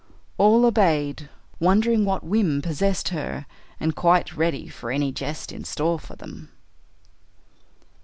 All obeyed, wondering what whim possessed her, and quite ready for any jest in store for them.